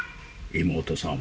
妹さんは？